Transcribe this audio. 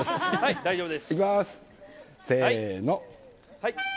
大丈夫です。